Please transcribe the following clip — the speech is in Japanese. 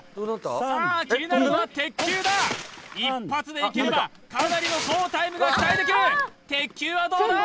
さあ気になるのは鉄球だ一発でいければかなりの好タイムが期待できる鉄球はどうだ？